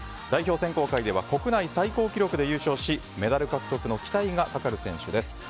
代表選考会では国内最高記録で優勝しメダル獲得の期待がかかる選手です。